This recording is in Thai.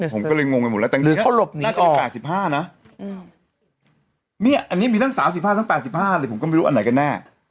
ผมก็เลยงงไปหมดแล้วแต่นี่น่าจะเป็น๘๕นะอันนี้มีทั้ง๓๐ภาพทั้ง๘๕เลยผมก็ไม่รู้อันไหนกันแน่